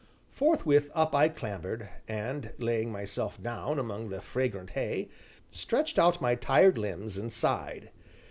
Forthwith, up I clambered and, laying myself down among the fragrant hay, stretched out my tired limbs, and sighed.